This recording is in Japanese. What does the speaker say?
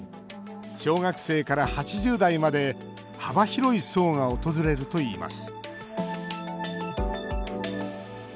小学生から８０代まで幅広い層が訪れるといいます